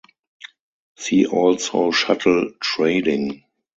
See also Shuttle trading.